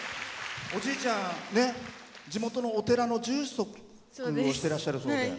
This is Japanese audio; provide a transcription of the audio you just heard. おじいちゃん、地元のお寺の住職をしてらっしゃるそうで。